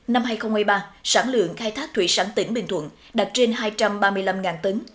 năm hai nghìn hai mươi ba sản lượng khai thác thủy sản tỉnh bình thuận đạt trên hai trăm ba mươi năm tấn